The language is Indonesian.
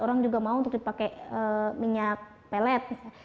orang juga mau untuk dipakai minyak pelet